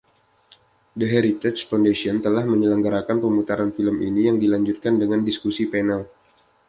The Heritage Foundation telah menyelenggarakan pemutaran film ini yang dilanjutkan dengan diskusi panel.